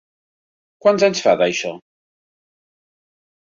Quants anys fa, d'això?